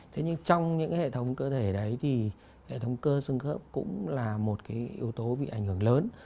trong những hệ thống cơ thể đấy thì hệ thống cơ xương khớp cũng là một cái yếu tố bị ảnh hưởng lớn